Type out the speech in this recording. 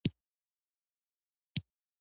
چې د سترګو په وړاندې مې مړواې کيږي.